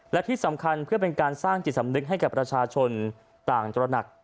และที่สำคัญเพื่อเป็นการสร้างจิตสำนึกให้กับประชาชนต่างตระหนัก